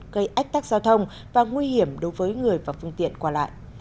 gây ách tắc giao thông và nguy hiểm đối với người và phương tiện qua lại